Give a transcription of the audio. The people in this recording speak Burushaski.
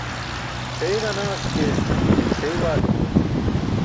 Cʰeey ġanaas ke cʰeey waalimi.